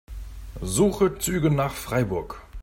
Suche Züge nach Freiburg.